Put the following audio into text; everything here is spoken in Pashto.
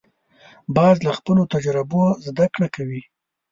باز له خپلو تجربو زده کړه کوي